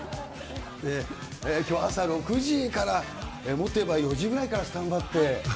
きょうは朝６時から、もっと言えば４時ぐらいからスタンバって。